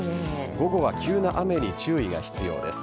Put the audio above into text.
午後は急な雨に注意が必要です。